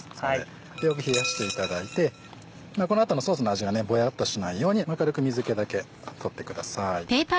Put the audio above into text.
よく冷やしていただいてこの後のソースの味がボヤっとしないように軽く水気だけ取ってください。